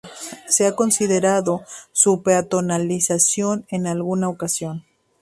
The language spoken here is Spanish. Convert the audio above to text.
Se ha considerado su peatonalización en alguna ocasión.